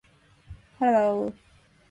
hello